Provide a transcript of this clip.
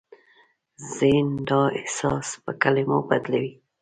ذهن دا احساس په کلمو بدلوي.